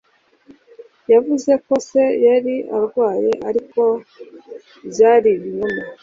Yavuze ko se yari arwaye, ariko byari ibinyoma.